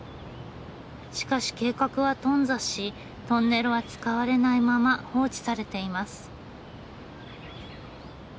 しかし計画は頓挫しトンネルは使われないまま放置されています。